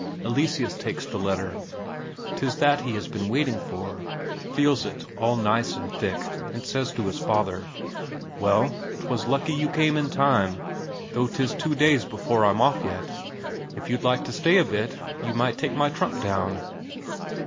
Eleseus takes the letter, 'tis that he has been waiting for. Feels it all nice and thick, and says to his father: "Well, 'twas lucky you came in time though 'tis two days before I'm off yet. If you'd like to stay a bit, you might take my trunk down."